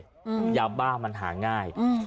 อืมยาบ้ามันหาง่ายอืม